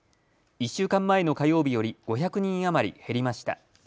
１週間前の火曜日より５００人余り減りました。